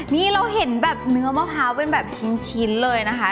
นี่เราเห็นแบบเนื้อมะพร้าวเป็นแบบชิ้นเลยนะคะ